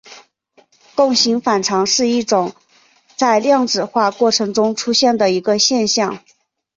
共形反常是一种在量子化过程中出现的一个现象。